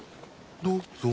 どうぞ。